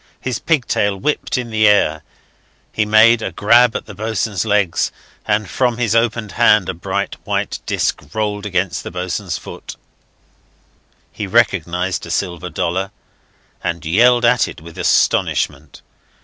His pigtail whipped in the air; he made a grab at the boatswain's legs, and from his opened hand a bright white disc rolled against the boatswain's foot. He recognized a silver dollar, and yelled at it with astonishment.